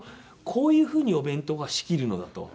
こういう風にお弁当は仕切るのだと。